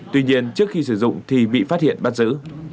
tuy nhiên trước khi sử dụng thì bị phát hiện bắt giữ